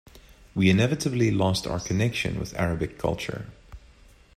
We inevitably lost our connection with Arabic culture.